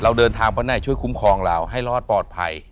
เราเดินทางไปไหนช่วยคุ้มครองเราให้รอดปลอดภัย